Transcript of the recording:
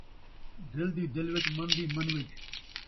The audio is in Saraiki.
دل دی دل ءِچ ، من دی من ءِچ